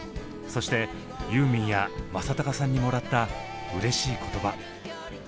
そしてユーミンや正隆さんにもらったうれしい言葉。